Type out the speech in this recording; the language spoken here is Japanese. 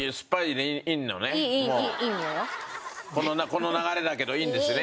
この流れだけどいいんですね？